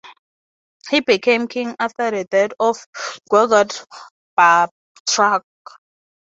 He became king after the death of Gurguit Barbtruc.